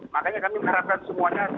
makanya kami mengharapkan semuanya